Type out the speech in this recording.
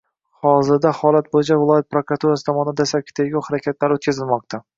Hozirda holat bo‘yicha viloyat prokuraturasi tomonidan dastlabki tergov harakatlari o‘tkazilmoqda